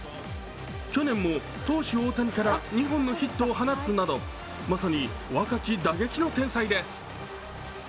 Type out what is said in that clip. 去年も投手・大谷から２本のヒットを放つなどまさに若き打撃の天才です。